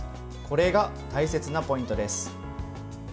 これが大切なポイントです。